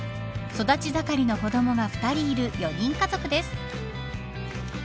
育ち盛りの子どもが２人いる４人家族です。